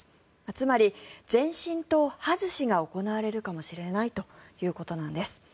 つまり、前進党外しが行われるかもしれないということなんです。